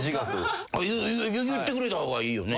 言ってくれた方がいいよね。